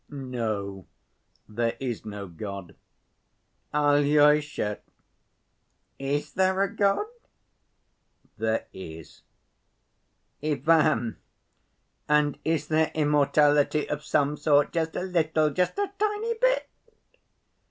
"No, there is no God." "Alyosha, is there a God?" "There is." "Ivan, and is there immortality of some sort, just a little, just a tiny bit?"